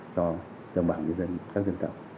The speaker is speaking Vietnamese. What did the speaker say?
cho đồng bảng dân dân các dân cộng